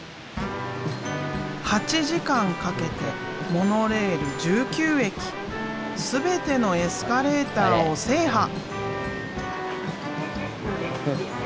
８時間かけてモノレール１９駅全てのエスカレーターを制覇！